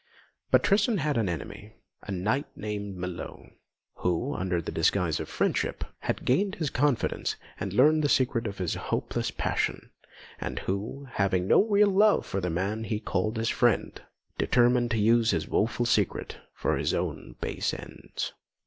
But Tristan had an enemy, a knight named Melot, who, under the disguise of friendship, had gained his confidence and learnt the secret of his hopeless passion, and who, having no real love for the man he called his friend, determined to use this woeful secret for his own base ends.